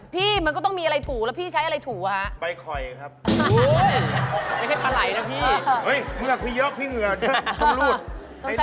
พี่มันก็ต้องมีอะไรถูแล้วพี่ใช้อะไรถูอ่ะฮะ